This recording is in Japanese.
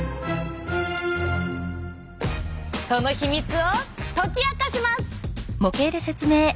その秘密を解き明かします！